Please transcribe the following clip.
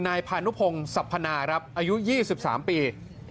นายพานุพงศัพพนาครับอายุ๒๓ปี